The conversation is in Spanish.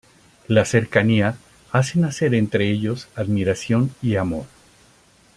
La cercanía hace nacer entre ellos admiración y amor.